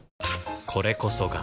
これこそが